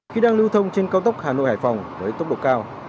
khi đang lưu thông trên cao tốc hà nội hải phòng với tốc độ cao